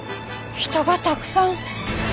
人がたくさん。